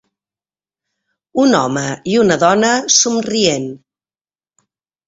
Un home i una dona somrient.